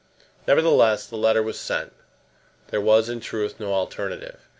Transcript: Nevertheless, the letter was sent. There was, in truth, no alternative.